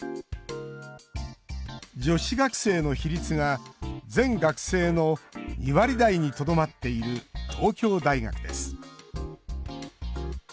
女子学生の比率が全学生の２割台にとどまっている東京大学です。